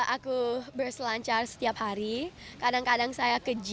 aku berselancar setiap hari kadang kadang saya ke gym